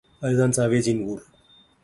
அதுதான் ஸாவேஜின் ஊர்.